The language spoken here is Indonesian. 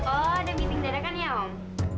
oh ada meeting dadakan ya om